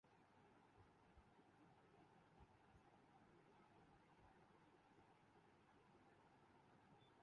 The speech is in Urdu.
جنہیں وینٹیلیٹر چلانا تو کیا نام بھی صحیح طرح لینا نہیں آتا وہاں پر بنائی گئی ویڈیو بھی موجود ہیں